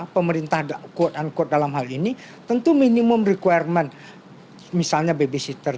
pemerintah quote unquote dalam hal ini tentu minimum requirement misalnya babysitter